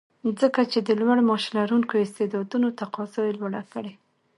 ځکه چې د لوړ معاش لرونکو استعدادونو تقاضا یې لوړه کړې